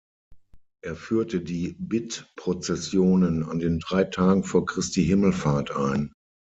Er führte die Bittprozessionen an den drei Tagen vor Christi Himmelfahrt ein.